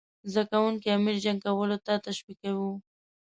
زده کوونکي امیر جنګ کولو ته تشویقاووه.